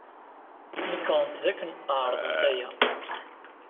Nekṛent dakken ɛerḍent aya.